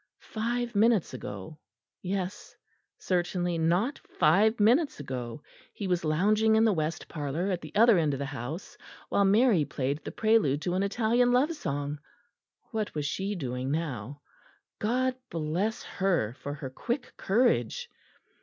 Five minutes ago yes certainly not five minutes ago he was lounging in the west parlour, at the other end of the house, while Mary played the prelude to an Italian love song. What was she doing now? God bless her for her quick courage!